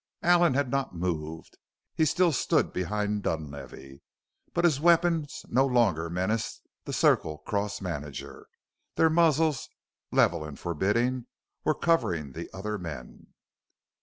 Allen had not moved. He still stood behind Dunlavey, but his weapons no longer menaced the Circle Cross manager; their muzzles, level and forbidding, were covering the other men.